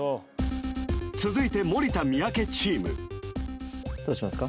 続いて森田三宅チームどうしますか？